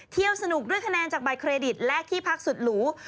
สนุกด้วยคะแนนจากบัตรเครดิตและที่พักสุดหรู